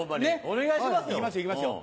お願いしますよ。